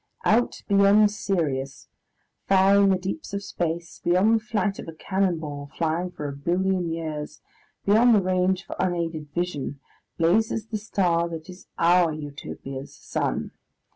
Out beyond Sirius, far in the deeps of space, beyond the flight of a cannon ball flying for a billion years, beyond the range of unaided vision, blazes the star that is our Utopia's sun.